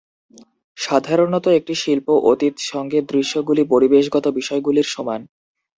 সাধারণত, একটি শিল্প অতীত সঙ্গে দৃশ্যগুলি পরিবেশগত বিষয়গুলির সমান।